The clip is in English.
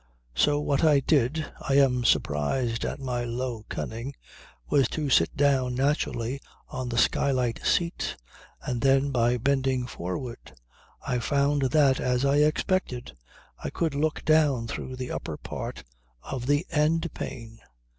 So what I did I am surprised at my low cunning was to sit down naturally on the skylight seat and then by bending forward I found that, as I expected, I could look down through the upper part of the end pane.